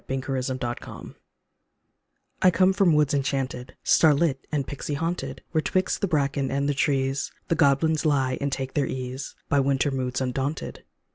53 DREAM SONG I COME from woods enchaunted, Starlit and pixey haunted, Where 'twixt the bracken and the trees The goblins lie and take their ease By winter moods undaunted.